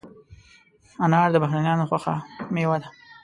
انار د بهرنیانو خوښه مېوه ده.